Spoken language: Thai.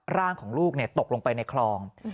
ร่างของลูกตกลงไปในคลอง